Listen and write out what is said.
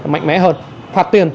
mạnh mẽ hơn phạt tiền